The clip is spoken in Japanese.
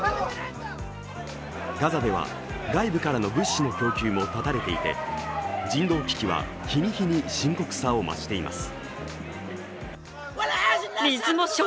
ガザでは外部からの物資の供給も絶たれていて人道危機は日に日に深刻さを増しています。